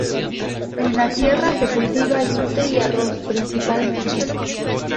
En la tierra se cultiva yute y arroz principalmente.